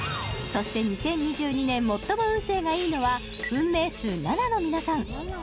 そして２０２２年最も運勢がいいのは運命数７の皆さん